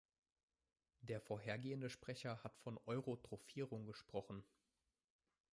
Der vorhergehende Sprecher hat von Euro trophierung gesprochen.